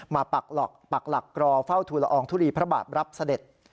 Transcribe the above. ปักหลักรอเฝ้าทุลอองทุลีพระบาทรับเสด็จ